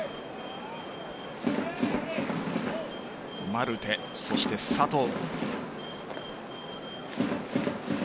マルテそして佐藤。